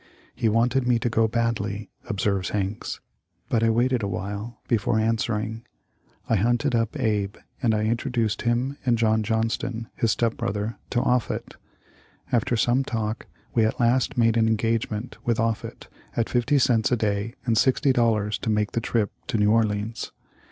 " He wanted me to go badly," observes Hanks, " but I waited awhile be fore answering. I hunted up Abe, and I introduced him and John Johnston, his step brother, to Offut. After some talk we at last made an engagement with Offut at fifty cents a day and sixty dollars to make the trip to New Orleans.